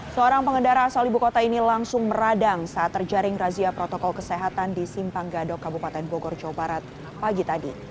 seorang pengendara asal ibu kota ini langsung meradang saat terjaring razia protokol kesehatan di simpang gadok kabupaten bogor jawa barat pagi tadi